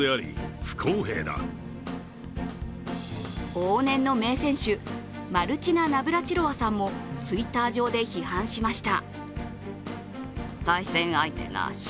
往年の名選手マルチナ・ナブラチロワさんもＴｗｉｔｔｅｒ上で批判しました。